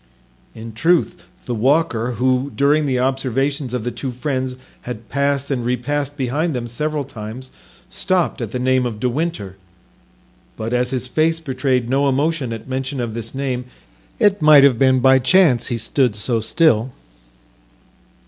In truth, the walker, who, during the observations of the two friends, had passed and repassed behind them several times, stopped at the name of De Winter; but as his face betrayed no emotion at mention of this name, it might have been by chance he stood so still.